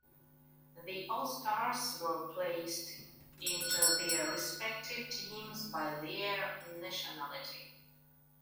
The All-Stars were placed into their respective teams by their nationality.